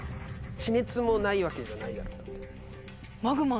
地熱もないわけじゃないやろだって。